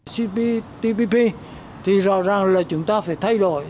cptpp thì rõ ràng là chúng ta phải thay đổi